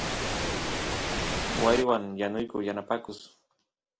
waaywan yanuyku yanapakus